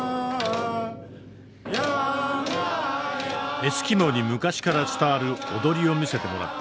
エスキモーに昔から伝わる踊りを見せてもらった。